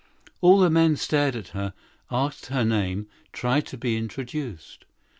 All the men looked at her, asked her name, sought to be introduced.